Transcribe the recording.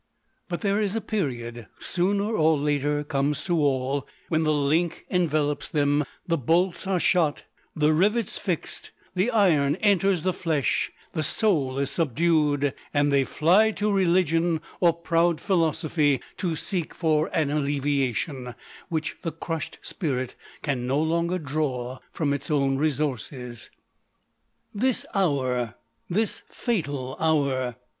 But there is a period — sooner or later comes to all — when the links envelop them, the bolts are shot, the rivets fixed, the iron enters the flesh, the soul is subdued, and they fly to religion or proud philosophy, to seek for 162 LODORE. an alleviation, which the crushed spirit can no longer draw from its own resources. This hour ! this fatal hour